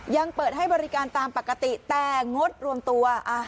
ยังเปิดให้บริการตามปกติแต่งดรวมตัว